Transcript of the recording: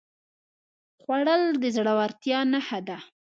خوړل د زړورتیا نښه ده